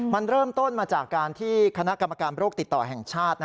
มันเริ่มต้นมาจากการที่คณะกรรมการโรคติดต่อแห่งชาติ